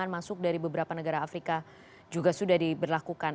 masuk dari beberapa negara afrika juga sudah diberlakukan